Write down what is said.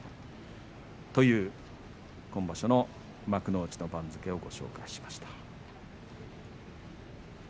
という今場所の幕内の番付をご紹介しました。